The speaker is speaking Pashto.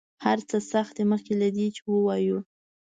هر څه سخت دي مخکې له دې چې ووایو.